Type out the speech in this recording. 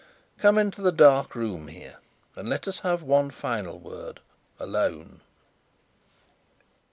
Come into the dark room here, and let us have one final word alone."